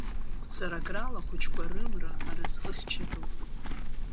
Гәцаракрала ахәыҷқәа рымра аразҟы хьчатәуп!